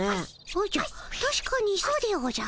おじゃたしかにそうでおじゃる。